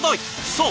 そう！